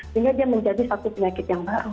sehingga dia menjadi satu penyakit yang baru